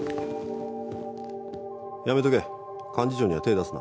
やめとけ幹事長には手出すな。